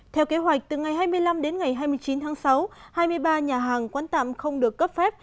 theo kế hoạch từ ngày hai mươi năm đến ngày hai mươi chín tháng sáu hai mươi ba nhà hàng quán tạm không được cấp phép